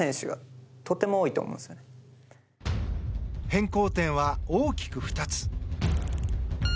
変更点は大きく２つ。